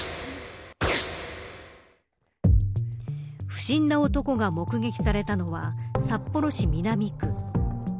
不審な男が目撃されたのは札幌市南区。